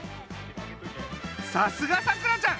さすがさくらちゃん！